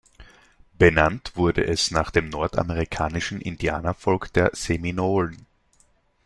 Benannt wurde es nach dem nordamerikanischen Indianervolk der Seminolen.